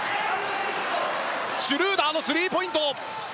シュルーダーのスリーポイントシュート！